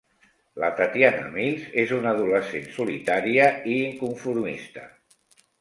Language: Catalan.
La Tatiana Mills és una adolescent solitària i inconformista.